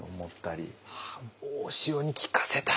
大塩に聞かせたい！